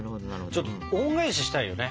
ちょっと恩返ししたいよね。